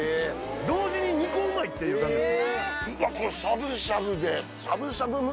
同時に２個うまいっていう感じです